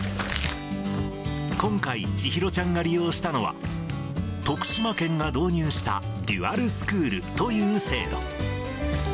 今回、千尋ちゃんが利用したのは、徳島県が導入したデュアルスクールという制度。